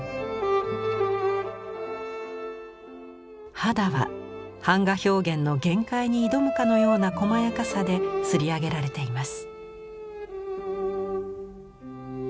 肌は版画表現の限界に挑むかのようなこまやかさでり上げられています。